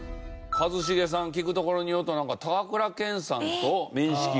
一茂さん聞くところによると高倉健さんと面識が？